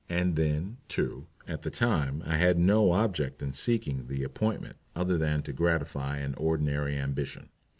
And then, too, at the time I had no object in seeking the appointment other than to gratify an ordinary ambition.